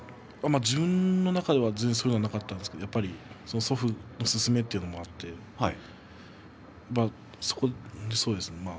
自分の中では全然そういうことはなかったんですが祖父の勧めということがあってそうですね